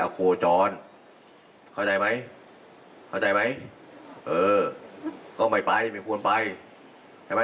ก็ไม่ไปไม่ควรไป